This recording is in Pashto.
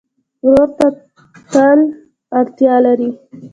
ورور ته تل اړتیا لرې.